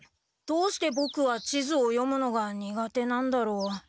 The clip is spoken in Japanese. どうしてボクは地図を読むのが苦手なんだろう。